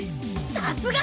さすが！